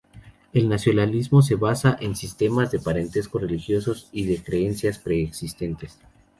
El nacionalismo se basa en sistemas de parentesco, religiosos y de creencias preexistentes.